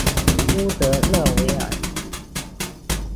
乌德勒维尔。